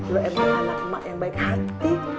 lu emang anak mak yang baik hati